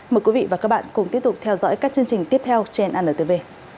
mời quý vị và các bạn cùng tiếp tục theo dõi các chương trình tiếp theo trên antv